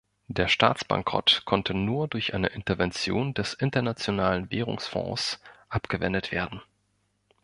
Der Staatsbankrott konnte nur durch eine Intervention des Internationalen Währungsfonds abgewendet werden.